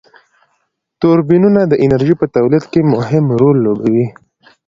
توربینونه د انرژی په تولید کی مهم رول لوبوي.